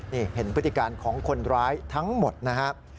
นี่เห็นพฤติการของคนร้ายทั้งหมดนะครับ